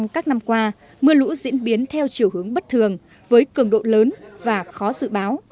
các năm qua mưa lũ diễn biến theo chiều hướng bất thường với cường độ lớn và khó dự báo